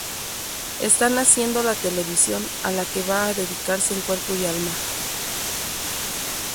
Está naciendo la televisión, a la que va a dedicarse en cuerpo y alma.